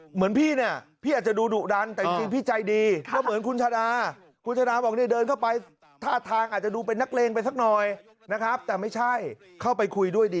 เหมือนพี่เนี่ยพี่อาจจะดูดุดันแต่จริงพี่ใจดีก็เหมือนคุณชาดาคุณชาดาบอกเนี่ยเดินเข้าไปท่าทางอาจจะดูเป็นนักเลงไปสักหน่อยนะครับแต่ไม่ใช่เข้าไปคุยด้วยดี